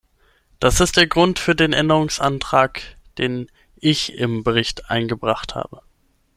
Das ist der Grund für den Änderungsantrag, den ich im Bericht eingebracht habe.